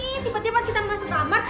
ya ini cepet ya mas kita masuk kamar